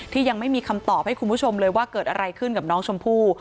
ยังไม่มีคำตอบให้คุณผู้ชมเลยว่าเกิดอะไรขึ้นกับน้องชมพู่